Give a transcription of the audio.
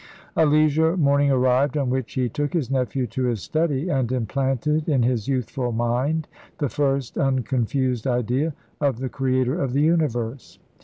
A leisure morning arrived, on which he took his nephew to his study, and implanted in his youthful mind the first unconfused idea of the Creator of the universe!